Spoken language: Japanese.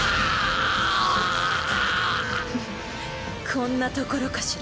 こんなところかしら。